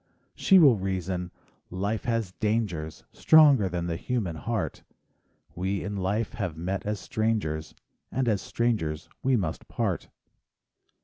She will reason: "Life has dangers, Stronger than the human heart; We in life have met as strangers, And as strangers we must part."